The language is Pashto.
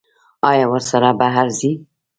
ایا ورسره بهر ځئ؟